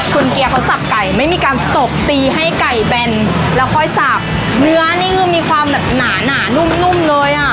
คุณเกียร์เขาสับไก่ไม่มีการตบตีให้ไก่แบนแล้วค่อยสับเนื้อนี่คือมีความแบบหนานุ่มนุ่มเลยอ่ะ